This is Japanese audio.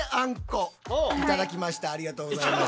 ありがとうございます。